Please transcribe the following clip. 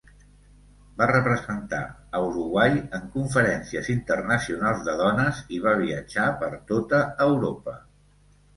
Va representar a Uruguai en conferències internacionals de dones i va viatjar per tota Europa.